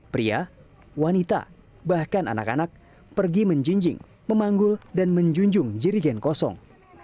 pria wanita bahkan anak anak pergi menjinjing memanggul dan menjunjung jirigen kosong